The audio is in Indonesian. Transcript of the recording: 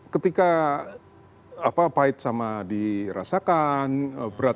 ketika pahit sama dirasakan berat